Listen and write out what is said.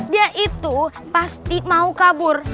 dia itu pasti mau kabur